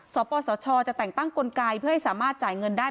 สปสชจะแต่งตั้งกลไกเพื่อให้สามารถจ่ายเงินได้